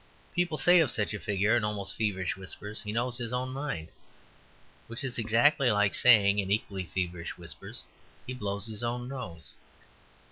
People say of such a figure, in almost feverish whispers, "He knows his own mind," which is exactly like saying in equally feverish whispers, "He blows his own nose."